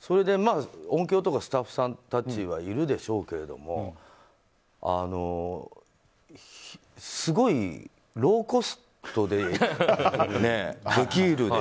それで音響とかスタッフさんたちはいるでしょうけどすごいローコストでできるでしょ。